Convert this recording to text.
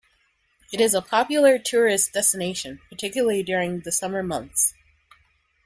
It is a popular tourist destination, particularly during the summer months.